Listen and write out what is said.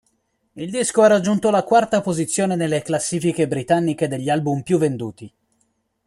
Il disco ha raggiunto la quarta posizione nelle classifiche britanniche degli album più venduti.